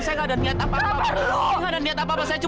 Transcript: dan kami gak perlu deket deket sama orang kaya seperti kalian